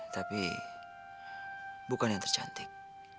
tapi bukan yang tercantik